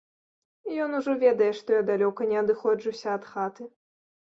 Ён ужо ведае, што я далёка не адыходжуся ад хаты.